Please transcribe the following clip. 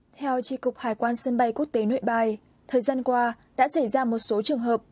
theo tri cục hải quan sân bay quốc tế nội bài thời gian qua đã xảy ra một số trường hợp